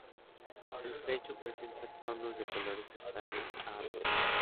El pecho presenta tonos de colores castaño a ante.